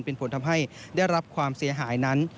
เป็นผลทำให้ได้รับความเสียหายนั้น